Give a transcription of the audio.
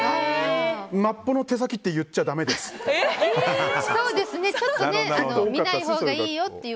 マッポの手先って言っちゃだめですって。